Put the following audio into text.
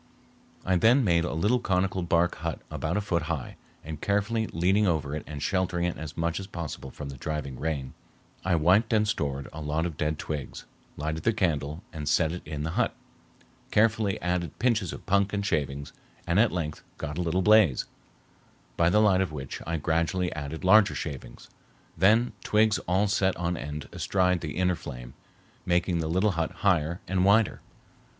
I then made a little conical bark hut about a foot high, and, carefully leaning over it and sheltering it as much as possible from the driving rain, I wiped and stored a lot of dead twigs, lighted the candle, and set it in the hut, carefully added pinches of punk and shavings, and at length got a little blaze, by the light of which I gradually added larger shavings, then twigs all set on end astride the inner flame, making the little hut higher and wider.